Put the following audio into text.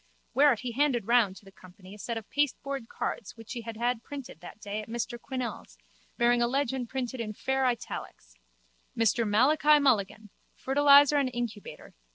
Whereat he handed round to the company a set of pasteboard cards which he had had printed that day at Mr Quinnell's bearing a legend printed in fair italics: _Mr Malachi Mulligan. Fertiliser and Incubator.